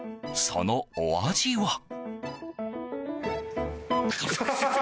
そのお味は？